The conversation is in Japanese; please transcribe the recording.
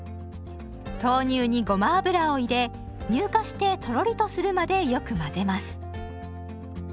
豆乳にごま油を入れ乳化してとろりとするまでよく混ぜます。